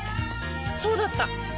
そうだった！